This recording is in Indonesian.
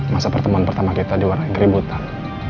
masa pertemuan pertama kita di warang keributan